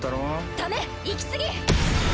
ダメ行き過ぎ！